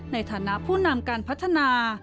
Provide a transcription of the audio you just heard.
ในฐานะผู้นำการพัฒนา